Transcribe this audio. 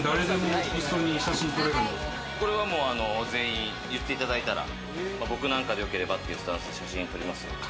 これは全員言っていただいたら、僕なんかでよければというスタンスで写真を撮ります。